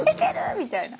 みたいな。